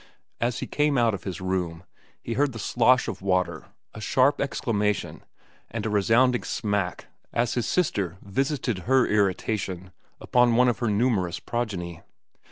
As he came out of his room he heard the slosh of water, a sharp exclamation, and a resounding smack as his sister visited her irritation upon one of her numerous progeny.